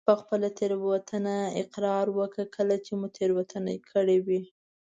په خپله تېروتنه اقرار وکړه کله چې مو تېروتنه کړي وي.